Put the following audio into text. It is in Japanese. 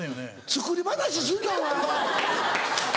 作り話すんなお前は！